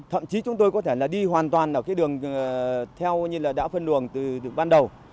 thậm chí chúng tôi có thể là đi hoàn toàn ở cái đường theo như là đã phân luồng từ ban đầu